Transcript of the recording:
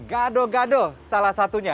gado gado salah satunya